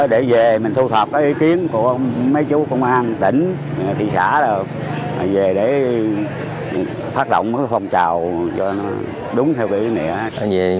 đồng thời phát động phong trào cho đúng theo ý nghĩa